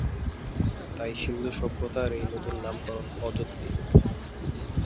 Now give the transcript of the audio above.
তাই সিন্ধু সভ্যতার এই নতুন নামকরণ অযৌক্তিক।